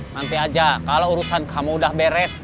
nanti aja kalau urusan kamu udah beres